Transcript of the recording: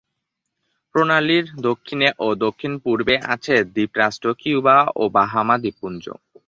প্রণালীর দক্ষিণে ও দক্ষিণ-পূর্বে আছে দ্বীপরাষ্ট্র কিউবা ও বাহামা দ্বীপপুঞ্জ।